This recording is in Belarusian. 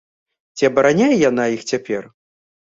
Ці абараняе яна іх цяпер?